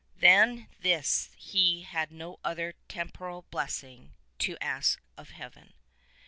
Than this he had no other tem poral blessing to ask of Heaven.